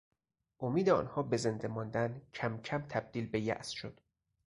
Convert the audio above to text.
امید آنها به زنده ماندن کمکم تبدیل به یاس شد.